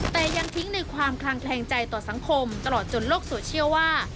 แต่ยังทิ้งในความคลางแคลงใจต่อสังคมตลอดจนโลกโซเชียลว่า